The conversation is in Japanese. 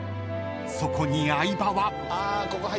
［そこに相葉は］